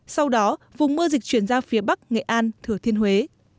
sau đó vùng mưa dịch chuyển ra phía bắc nghệ an thừa thiên huế